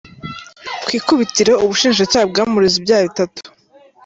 Ku ikubitiro ubushinjacyaha bwamureze ibyaha bitatu.